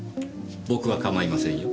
僕は構いませんよ。